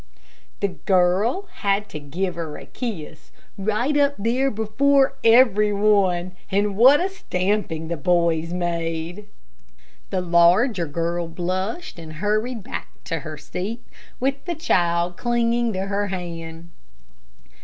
The girl had to give her a kiss, right up there before every one, and what a stamping the boys made. The larger girl blushed and hurried back to her seat, with the child clinging to her hand.